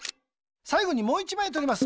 さいごにもう１まいとります。